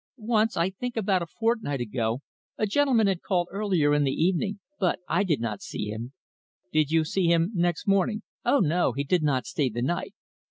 "Once, I think about a fortnight ago, a gentleman had called earlier in the evening. But I did not see him." "Did you see him next morning?" "Oh, no; he did not stay the night."